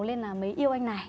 nên là mới yêu anh này